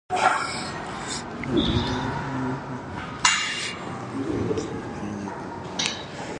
"Crab gliders" are small, carrion eating crablike creatures native to the planet of Bespin.